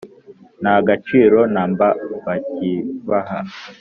Nta gaciro na mba bakibaha